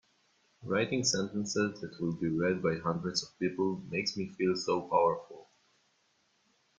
Writing sentences that will be read by hundreds of people makes me feel so powerful!